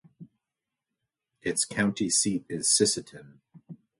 Its county seat is Sisseton.